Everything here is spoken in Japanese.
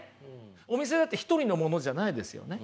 お店だって一人のものじゃないですよね。